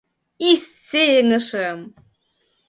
И сеҥышым!